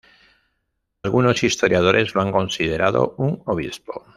Algunos historiadores lo han considerado un obispo.